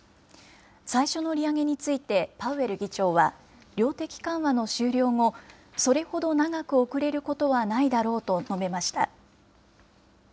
最初の利上げについてパウエル議長は、量的緩和の終了後、それほど長く遅れることはないだろうと述べました。